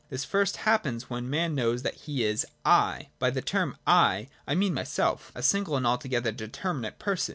This first happens when man knows that he is ' I.' By the term ' I ' I mean myself, a single and altogether determinate person.